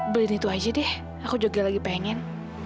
beliin itu aja deh aku juga lagi pengen